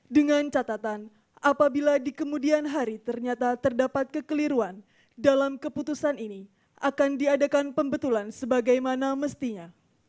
dengan catatan apabila di kemudian hari ternyata terdapat kekeliruan dalam keputusan ini akan diadakan pembetulan sebagaimana mestinya